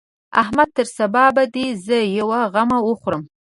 احمده! تر سبا به دې زه يوه غمه وخورم.